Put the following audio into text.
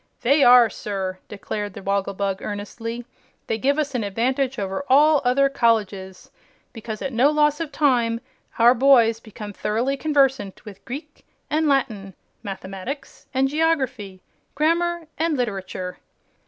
"They are, sir," declared the Wogglebug, earnestly. "They give us an advantage over all other colleges, because at no loss of time our boys become thoroughly conversant with Greek and Latin, Mathematics and Geography, Grammar and Literature.